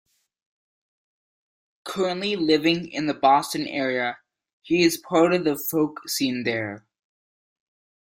Currently living in the Boston area, he is part of the folk scene there.